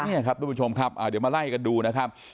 นี่ครับทุกผู้ชมครับเดี๋ยวมาไล่กันดูนะครับ